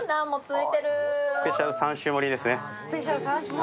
スペシャル３種盛りですね。